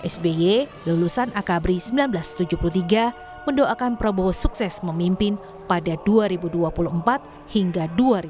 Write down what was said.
sby lulusan akabri seribu sembilan ratus tujuh puluh tiga mendoakan prabowo sukses memimpin pada dua ribu dua puluh empat hingga dua ribu dua puluh